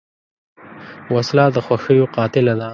وسله د خوښیو قاتله ده